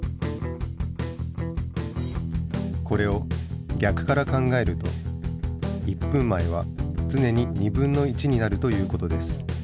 これを逆から考えると１分前はつねに1/2になるという事です。